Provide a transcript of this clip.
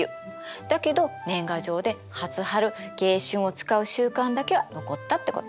だけど年賀状で初春・迎春を使う習慣だけは残ったってこと。